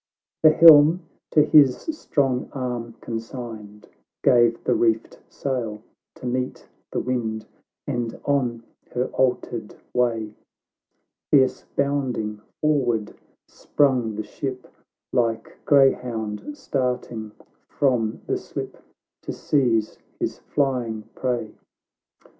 — XXI The helm, to his strong arm consigned, Gave the reefed sail to meet the wind, And on her altered way, Pierce bounding, forward sprung the ship, Like greyhound starting from the slip To seize his flying prey.